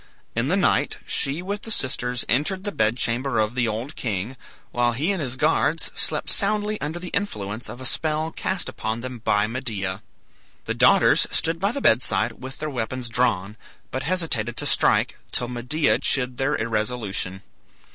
In the night she with the sisters entered the bed chamber of the old king, while he and his guards slept soundly under the influence of a spell cast upon them by Medea. The daughters stood by the bedside with their weapons drawn, but hesitated to strike, till Medea chid their irresolution.